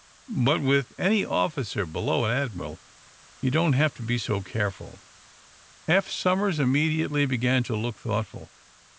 But with any officer below an admiral you don't have to be so careful." Eph Somers immediately began to look thoughtful.